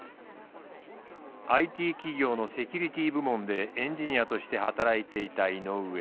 ＩＴ企業のセキュリティー部門でエンジニアとして働いていた井上。